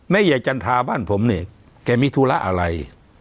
ใหญ่จันทราบ้านผมเนี่ยแกมีธุระอะไร